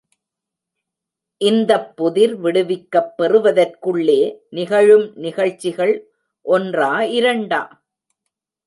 இந்தப்புதிர் விடுவிக்கப் பெறுவதற்குள்ளே நிகழும் நிகழ்ச்சிகள் ஒன்றா, இரண்டா?